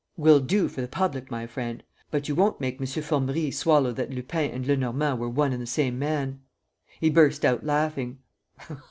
"Well?" "Will do for the public, my friend. But you won't make M. Formerie swallow that Lupin and Lenormand were one and the same man." He burst out laughing.